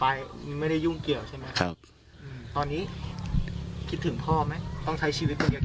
ตอนนี้คิดถึงพ่อไหมต้องใช้ชีวิตตรงนี้